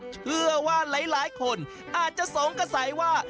เชื่อว่าหลายคนอาจจะสงสัยว่า